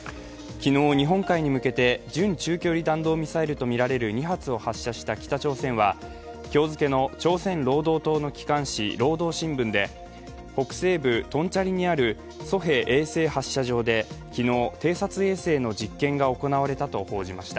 昨日日本海に向けて準中距離弾道ミサイルとみられる２発を発射した北朝鮮は今日付の朝鮮労働党の機関紙「労働新聞」で北西部トンチャンリにあるソヘ衛星発射場で昨日、偵察衛星の実験が行われたと報じました。